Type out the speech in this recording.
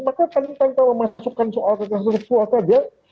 maka kami tanpa memasukkan soal kekerasan seksual saja